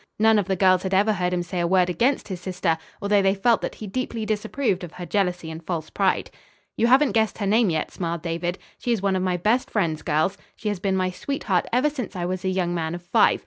None of the girls had ever heard him say a word against his sister; although they felt that he deeply disapproved of her jealousy and false pride. "You haven't guessed her name yet," smiled David. "She is one of my best friends, girls. She has been my sweetheart ever since I was a young man of five.